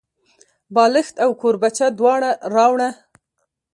بالښت او کوربچه دواړه راوړه.